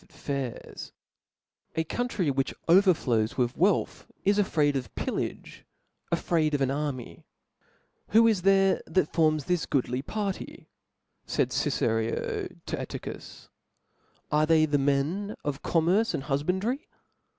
ate aQairSi A country ivhldi overflows with wealthy is afraid of pillage, afraid of arf army. Who is there that forms this ^*^^^^*7^«goodly party? laid. Cicem. to Atticus (*>, arc *' they the men of (jomnierce and huflxmdfy